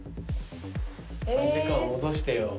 ３時間戻してよ。